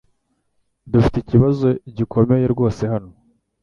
Dufite ikibazo gikomeye rwose hano